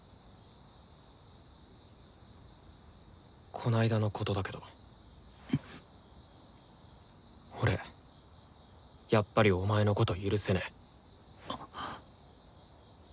この間のことだけど俺やっぱりお前のこと許せねえ。